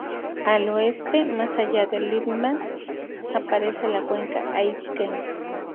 Al oeste, más allá de Lippmann, aparece la Cuenca Aitken.